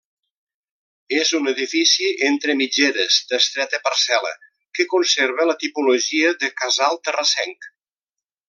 És un edifici entre mitgeres, d'estreta parcel·la, que conserva la tipologia de casal terrassenc.